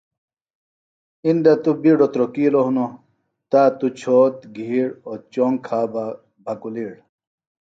اِندہ توۡ بِیڈوۡ تروۡکِیلوۡ ہنوۡ تا توۡ چھوت، گِھیڑ، اوۡ چونگ کھا بہ بھکُلِیڑ